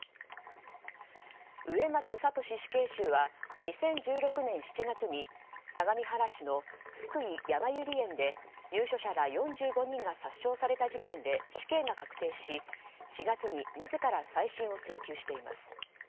植松聖死刑囚は２０１６年７月に相模原市の津久井やまゆり園で入所者ら４５人が殺傷された事件で死刑が確定し４月に自ら再審を請求しています。